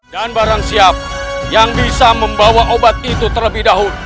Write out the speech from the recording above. dan barang siap yang bisa membawa obat itu terlebih dahulu